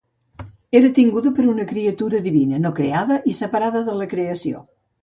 Era tinguda per una criatura divina, no creada i separada de la creació.